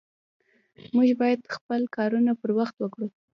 مونږ بايد خپل کارونه پر وخت وکړو